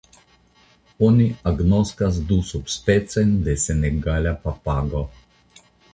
Oni agnoskas du subspeciojn de senegala papago.